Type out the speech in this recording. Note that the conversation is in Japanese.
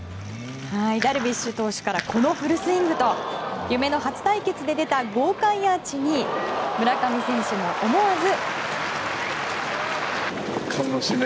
ダルビッシュ投手からこのフルスイングと夢の初対決で出た豪快アーチに村上選手も思わず。